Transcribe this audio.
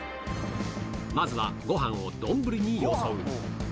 まずはごはんを丼によそう。